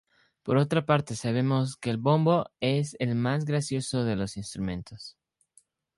Por otra parte sabemos que El Bombo es el más gracioso de los instrumentos.